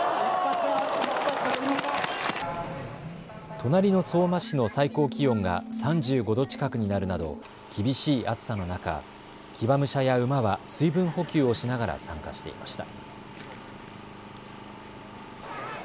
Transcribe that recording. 隣の相馬市の最高気温が３５度近くになるなど厳しい暑さの中、騎馬武者や馬は水分補給をしながら参加していました。